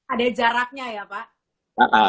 ada jaraknya ya pak